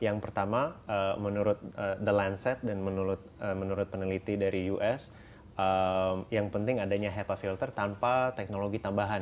yang pertama menurut the landset dan menurut peneliti dari us yang penting adanya hepa filter tanpa teknologi tambahan